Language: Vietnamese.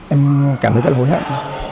em cảm thấy rất là hối hận